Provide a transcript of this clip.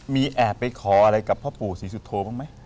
มีแอบไปขออะไรกับพ่อปู่ศรีสุโธบ้างไหม